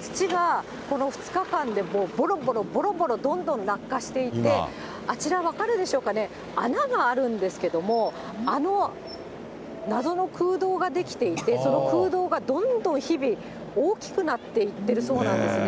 土がこの２日間で、ぼろぼろぼろぼろ、どんどん落下していって、あちら、分かるでしょうかね、穴があるんですけども、あの謎の空洞が出来ていて、その空洞がどんどん日々、大きくなっていってるそうなんですね。